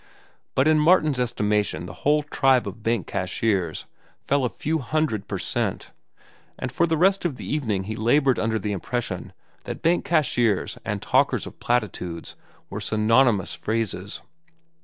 But in Martin's estimation the whole tribe of bank cashiers fell a few hundred per cent, and for the rest of the evening he labored under the impression that bank cashiers and talkers of platitudes were synonymous phrases.